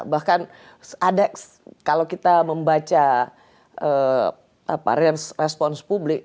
bahkan ada kalau kita membaca respons publik